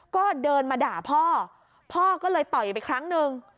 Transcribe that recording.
ก็เดินมาด่าพ่อพ่อก็เลยต่อยไปครั้งหนึ่ง